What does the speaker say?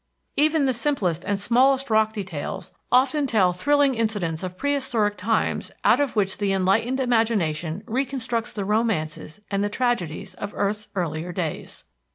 Even the simplest and smallest rock details often tell thrilling incidents of prehistoric tunes out of which the enlightened imagination reconstructs the romances and the tragedies of earth's earlier days.